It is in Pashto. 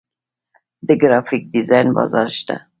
د ګرافیک ډیزاین بازار شته